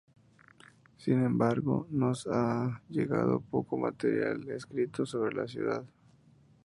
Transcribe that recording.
Sin embargo, nos ha llegado poco material escrito sobre la ciudad.